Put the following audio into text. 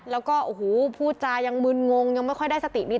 แล้วก็โอ้โหพูดจายังมึนงงยังไม่ค่อยได้สตินิด